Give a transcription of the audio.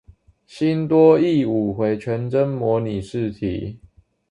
新多益五回全真模擬試題